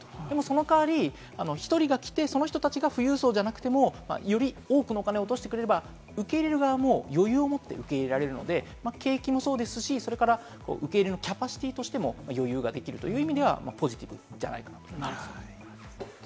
その代わり、１人が来て、その人たちが富裕層じゃなくても、より多くのお金を落としてくれれば、受け入れる側も余裕を持って受け入れられるので景気もそうですし、受け入れのキャパシティとしても余裕ができるという意味ではポジティブじゃないかと思います。